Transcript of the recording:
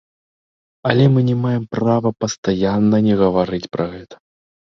Але мы не маем права пастаянна не гаварыць пра гэта.